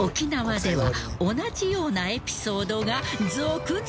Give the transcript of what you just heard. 祺譴任同じようなエピソードが続々！